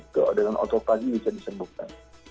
itu dengan oto pagi bisa disembuhkan